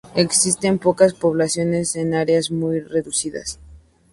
Existen pocas poblaciones en áreas muy reducidas.